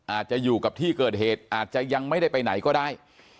อาจจะอยู่กับที่เกิดเหตุอาจจะยังไม่ได้ไปไหนก็ได้